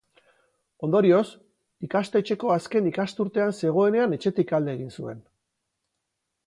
Ondorioz, ikastetxeko azken ikasturtean zegoenean etxetik alde egin zuen.